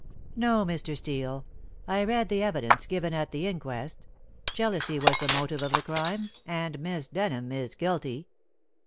"No, Mr. Steel. I read the evidence given at the inquest. Jealousy was the motive of the crime, and Miss Denham is guilty."